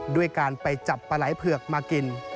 ด้วยการไปจับปลาไหล่เผือกมากิน